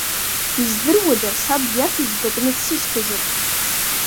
Издыруада саб иаҳәызба кны дсышьҭазар?!